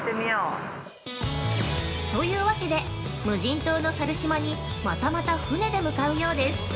◆というわけで、無人島の猿島にまたまた船で向かうようです。